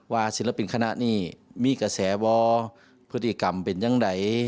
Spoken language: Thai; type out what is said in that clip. ศิลปินคณะนี้มีกระแสวอพฤติกรรมเป็นอย่างไร